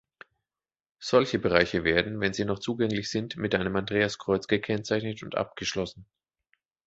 Solche Bereiche werden, wenn sie noch zugänglich sind, mit einem Andreaskreuz gekennzeichnet und abgeschlossen.